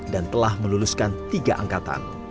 dan telah meluluskan tiga angkatan